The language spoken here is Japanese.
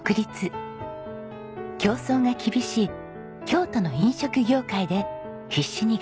競争が厳しい京都の飲食業界で必死に頑張ってきました。